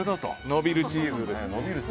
伸びるチーズです。